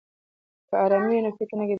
که ارامي وي نو فکر نه ګډوډیږي.